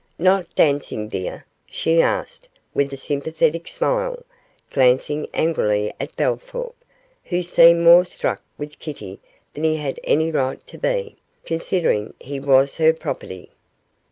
'Not dancing, dear?' she asked, with a sympathetic smile, glancing angrily at Bellthorp, who seemed more struck with Kitty than he had any right to be, considering he was her property.